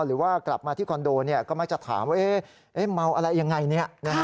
หรือว่ากลับมาที่คอนโดก็มักจะถามว่าเมาอะไรยังไง